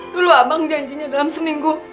dulu abang janjinya dalam seminggu